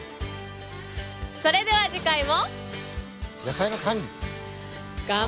それでは次回も。